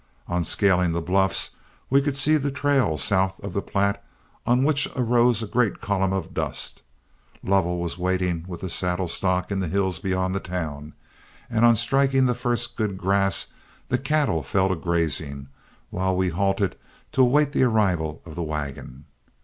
On scaling the bluffs, we could see the trail south of the Platte on which arose a great column of dust. Lovell was waiting with the saddle stock in the hills beyond the town, and on striking the first good grass, the cattle fell to grazing while we halted to await the arrival of the wagon.